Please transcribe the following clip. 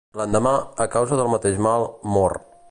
L'endemà, a causa del mateix mal, mor.